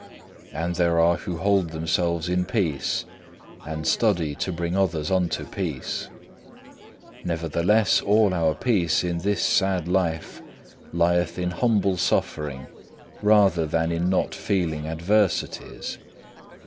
And there are who hold themselves in peace, and study to bring others unto peace; nevertheless, all our peace in this sad life lieth in humble suffering rather than in not feeling adversities.